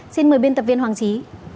xin mời biên tập viên hoàng trí